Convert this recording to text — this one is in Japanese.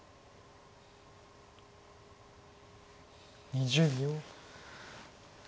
２０秒。